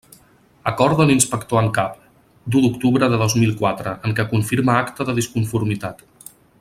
Acord de l'inspector en cap, d'u d'octubre de dos mil quatre, en què confirma acta de disconformitat.